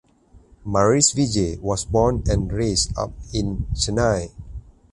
Maris Vijay was born and raised up in Chennai.